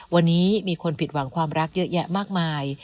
วันนี้มีคนผิดหวังความรักเยอะแยะมากมาย